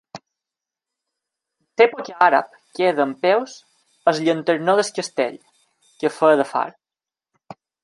De l'època àrab queda en peus el llanternó del castell, que feia de far.